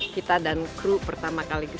kita dan kru pertama kali